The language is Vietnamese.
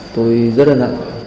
tôi rất là nặng